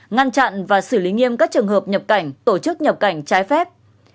ngăn chặn và xử lý nghiêm các trường hợp nhập cảnh tổ chức nhập cảnh trái phép